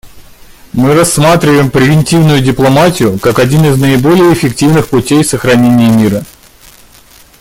Мы рассматриваем превентивную дипломатию как один из наиболее эффективных путей сохранения мира.